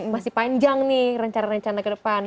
masih panjang nih rencana rencana ke depan